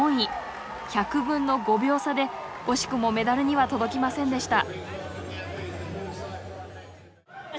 １００分の５秒差で惜しくもメダルには届きませんでした。